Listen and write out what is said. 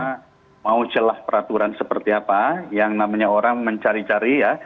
karena mau celah peraturan seperti apa yang namanya orang mencari cari ya